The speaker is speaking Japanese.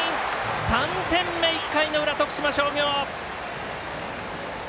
３点目、１回の裏、徳島商業！